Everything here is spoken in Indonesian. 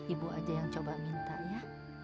ibu aja yang coba minta ya